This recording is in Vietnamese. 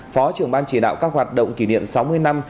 phó trưởng ban chỉ đạo các hoạt động kỷ niệm sáu mươi năm